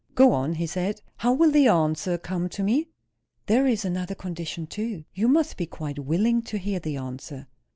"Go on," he said. "How will the answer come to me?" "There is another condition, too. You must be quite willing to hear the answer."